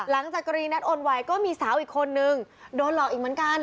หลังจากกรณีนัดโอนไวก็มีสาวอีกคนนึงโดนหลอกอีกเหมือนกัน